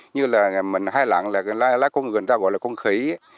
như là mình hai lạng là lá của người ta gọi là con khỉ